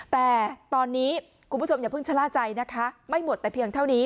แต่ตอนนี้คุณผู้ชมอย่าเพิ่งชะล่าใจนะคะไม่หมดแต่เพียงเท่านี้